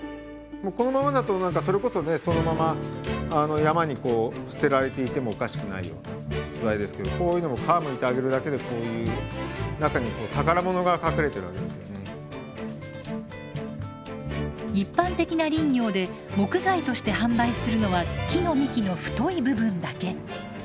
もうこのままだと何かそれこそねそのまま山に捨てられていてもおかしくないような素材ですけどこういうのも一般的な林業で木材として販売するのは木の幹の太い部分だけ。